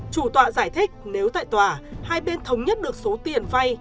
chủ tọa giải thích nếu tại tòa hai bên thống nhất được số tiền vay